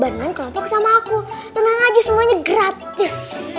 badan kan kelontok sama aku tenang aja semuanya gratis